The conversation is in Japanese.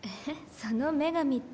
その女神って。